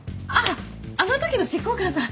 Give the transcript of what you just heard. あの時の執行官さん。